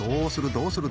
どうする？